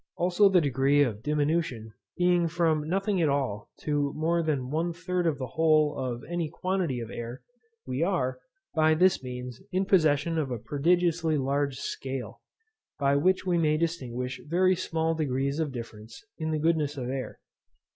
Also the degree of diminution being from nothing at all to more than one third of the whole of any quantity of air, we are, by this means, in possession of a prodigiously large scale, by which we may distinguish very small degrees of difference in the goodness of air.